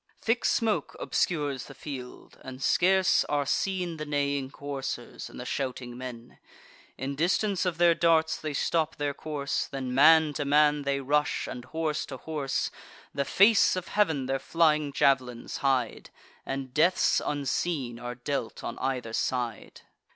Thick smoke obscures the field; and scarce are seen The neighing coursers, and the shouting men. In distance of their darts they stop their course; Then man to man they rush, and horse to horse. The face of heav'n their flying jav'lins hide, And deaths unseen are dealt on either side.